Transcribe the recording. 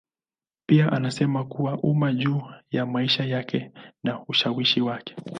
Pia anasema kwa umma juu ya maisha yake na ushawishi wake.